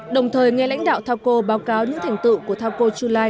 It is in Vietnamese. đồng thời nghe lãnh đạo thao cô báo cáo những thành tựu của thao cô chu lai